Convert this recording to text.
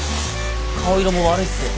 顔色も悪いっす。